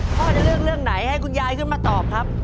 พ่อจะเลือกเรื่องไหนให้คุณยายขึ้นมาตอบครับ